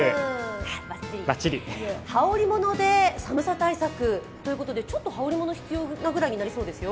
ばっちり、羽織り物で寒さ対策ということで、ちょっと羽織ものが必要なぐらいになりそうですよ。